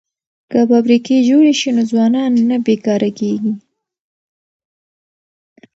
که فابریکې جوړې شي نو ځوانان نه بې کاره کیږي.